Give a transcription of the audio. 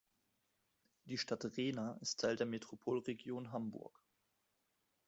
Die Stadt Rehna ist Teil der Metropolregion Hamburg.